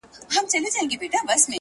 "د مثقال د ښو جزا ورکول کېږي!